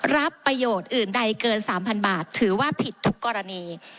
รับประโยชน์อื่นใดเกิน๓๐๐บาทถือว่าผิดทุกกรณี